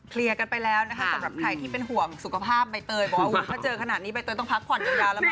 กันไปแล้วนะคะสำหรับใครที่เป็นห่วงสุขภาพใบเตยบอกว่าถ้าเจอขนาดนี้ใบเตยต้องพักผ่อนยาวแล้วม